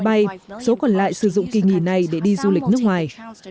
bay số còn lại sử dụng kỳ nghỉ này để đi du lịch nước ngoài